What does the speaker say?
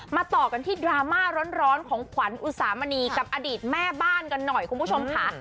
ต่อกันที่ดราม่าร้อนของขวัญอุสามณีกับอดีตแม่บ้านกันหน่อยคุณผู้ชมค่ะ